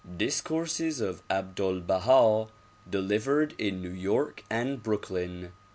Discourses of Abdul Baha delivered in New York and Brooklyn.